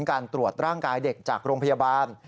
การตรวจร่างกายเด็กจากโรงพยาบาล